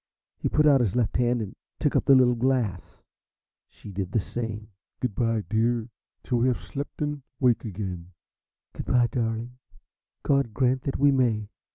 He put out his left hand and took up the little glass. She did the same. "Goodbye, dear, till we have slept and wake again!" "Goodbye, darling, God grant that we may!"